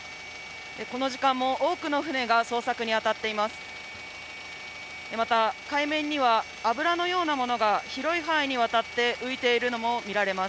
この時間も多くの船が捜索に当たっています。